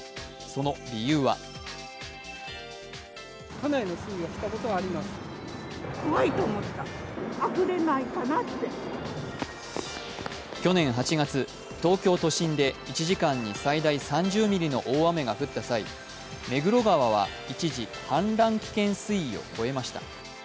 その理由は去年８月、東京都心で１時間に最大３０ミリの大雨が降った際、目黒川は一時、氾濫危険水位を超えました。